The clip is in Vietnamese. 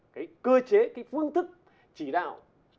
cái cơ chế cái phương thức chỉ đạo